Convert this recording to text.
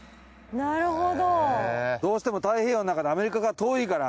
どうしても太平洋のなかでアメリカが遠いから。